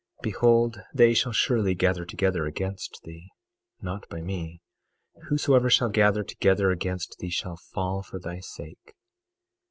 22:15 Behold, they shall surely gather together against thee, not by me; whosoever shall gather together against thee shall fall for thy sake.